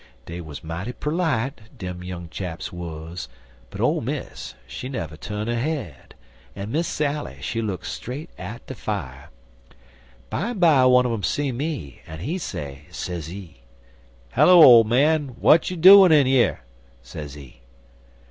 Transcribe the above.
Dey wuz mighty perlite, dem young chaps wuz; but Ole Miss, she never tu'n 'er head, en Miss Sally, she look straight at de fier. Bimeby one un um see me, en he say, sezee: "'Hello, ole man, w'at you doin' in yer?' sezee.